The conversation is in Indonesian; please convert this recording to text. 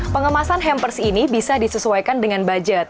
pengemasan hampers ini bisa disesuaikan dengan budget